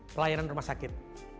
pelayanan rumah sakit